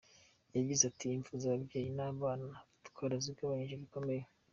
Yagize ati “Impfu z’ababyeyi n’abana twarazigabanije bikomeye.